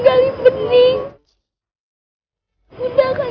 orang yang tadi siang dimakamin